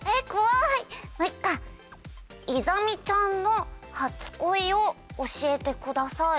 「イザミちゃんの初恋を教えてください」。